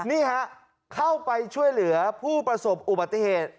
นี่ฮะเข้าไปช่วยเหลือผู้ประสบอุบัติเหตุ